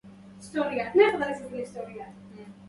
ليس لدى توم خيار إلا أن يثق بنا.